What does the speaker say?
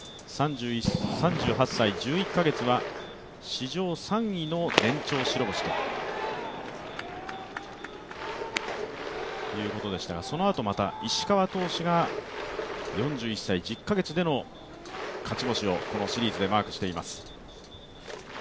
３１歳１１カ月は史上３位の延長白星ということでしたが、そのあとまた石川投手が、４１歳１０カ月での勝ち星をこのシリーズでマークしています。